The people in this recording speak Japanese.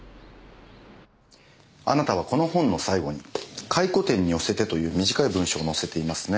あなたはこの本の最後に「回顧展に寄せて」という短い文章を載せていますね。